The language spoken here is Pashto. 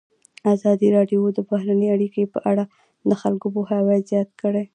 ازادي راډیو د بهرنۍ اړیکې په اړه د خلکو پوهاوی زیات کړی.